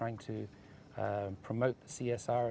yang mencoba untuk mempromosi csr